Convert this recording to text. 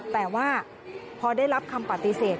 แต่ว่าพอได้รับคำปฏิเสธ